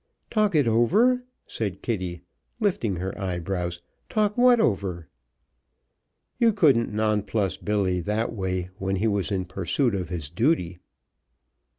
"Talk it over," said Kitty, lifting her eyebrows. "Talk what over?" You couldn't nonplus Billy that way, when he was in pursuit of his duty.